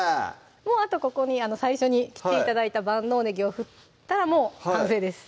もうあとここに最初に切って頂いた万能ねぎを振ったらもう完成です